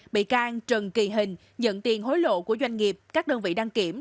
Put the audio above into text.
bị can trần kỳ hình nhận tiền hối lộ của doanh nghiệp các đơn vị đăng kiểm